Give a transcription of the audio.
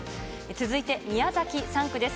続いて宮崎３区です。